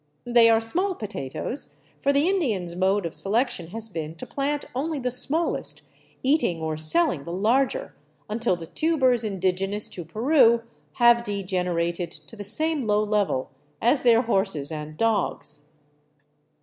They are small potatoes, for the Indian's mode of selection has been to plant only the smallest, eating or selling the larger, until the tubers indigenous to Peru have degenerated to the same low level as their horses and dogs.